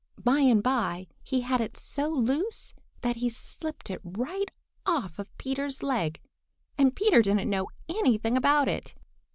By and by he had it so loose that he slipped it right off of Peter's leg, and Peter didn't know anything about it.